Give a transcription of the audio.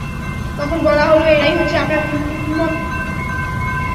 তখন বলা হল, এরাই হচ্ছে আপনার উম্মত।